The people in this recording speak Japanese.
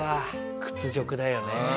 屈辱だよね。